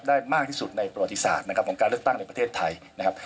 มากที่สุดในประวัติศาสตร์นะครับของการเลือกตั้งในประเทศไทยนะครับ